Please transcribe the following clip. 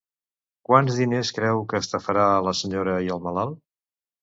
Quants diners creu que estafarà a la senyora i el malalt?